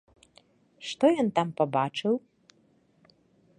Што ён там пабачыў?